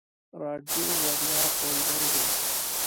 راډیو وړیا ښوونځی دی.